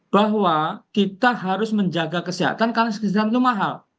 bahwa kita harus menjaga kesehatan karena kesehatan itu mahal